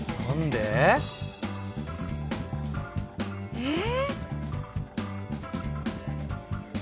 えっ！？